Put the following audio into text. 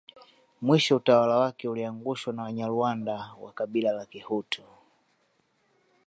Mwisho utawala wake uliangushwa na Wanyarwanda wa Kabila la Kihutu